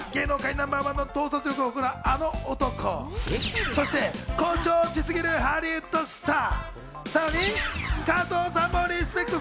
ナンバーワンの洞察力を誇るあの男、そして誇張しすぎるハリウッドスター。